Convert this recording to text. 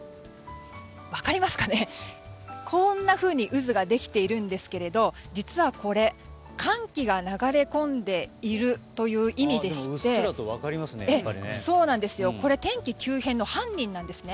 こんなふうに渦ができているんですけれど実はこれ、寒気が流れ込んでいるという意味でしてうっすらと分かりますね。